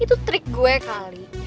itu trik gue kali